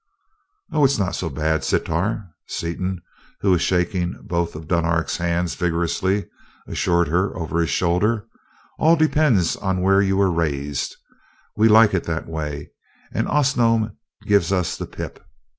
"Oh, it's not so bad, Sitar." Seaton, who was shaking both of Dunark's hands vigorously, assured her over his shoulder. "All depends on where you were raised. We like it that way, and Osnome gives us the pip.